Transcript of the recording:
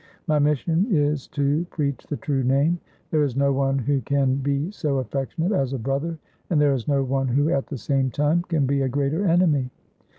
My mission is to preach the true Name. There is no one who can be so affectionate as a brother, and there is no one who at the same time can be a greater enemy.